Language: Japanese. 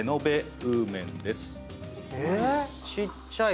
ちっちゃい。